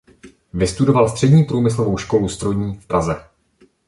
Vystudoval střední průmyslovou školu strojní v Praze.